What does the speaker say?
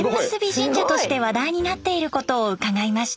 神社として話題になっていることを伺いました。